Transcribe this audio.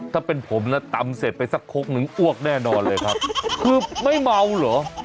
ถ้าเป็นผมนะตำเสร็จไปสักคกนึงอ้วกแน่นอนเลยครับคือไม่เมาเหรอ